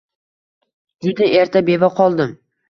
Juda erta beva qoldim.